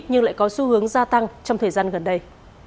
nhưng lại có xu hướng gia tăng trong thời gian gần đây